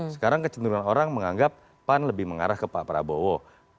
sekarang kecenderungan orang menganggap pan lebih mengarah ke pak prabowo